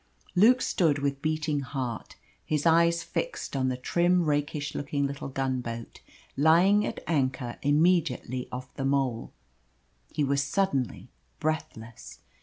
Luke stood with beating heart, his eyes fixed on the trim rakish looking little gunboat lying at anchor immediately off the Mole. He was suddenly breathless.